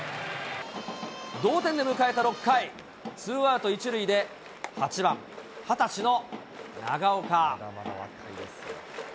同点で迎えた６回、ツーアウト１塁で８番、２０歳の長岡。